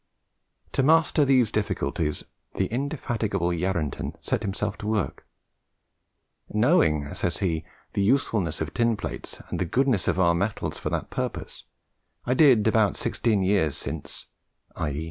To master these difficulties the indefatigable Yarranton set himself to work. "Knowing," says he, "the usefulness of tin plates and the goodness of our metals for that purpose, I did, about sixteen years since (i.